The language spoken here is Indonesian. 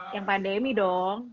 yang pandemi dong